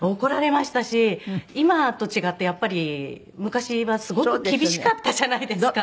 今と違ってやっぱり昔はすごく厳しかったじゃないですか。